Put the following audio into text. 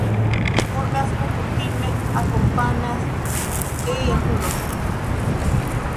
Orgasmo kutime akompanas ejakulon.